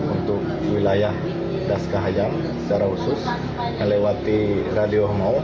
untuk wilayah das kahayan secara khusus melewati radio homo